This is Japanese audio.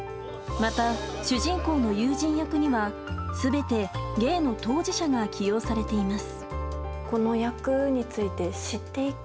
また、主人公の友人役には全てゲイの当事者が起用されています。